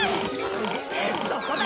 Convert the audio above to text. そこだな？